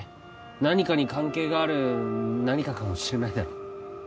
何かに関係がある何かかもしれないだろ